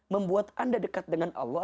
membuat anda dekat dengan allah